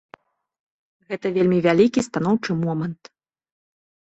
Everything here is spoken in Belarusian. Гэта вельмі вялікі станоўчы момант.